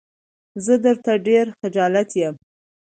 زه درته ډېر خجالت يم.